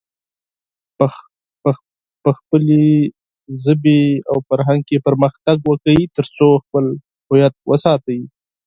په خپلې ژبې او فرهنګ کې پرمختګ وکړئ، ترڅو خپل هويت وساتئ.